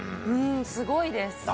うん、すごいです。